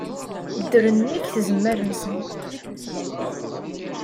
Ddren nnig tzemmar-nsen.